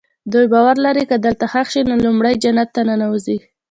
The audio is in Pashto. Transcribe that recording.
دوی باور لري که دلته ښخ شي نو لومړی جنت ته ننوځي.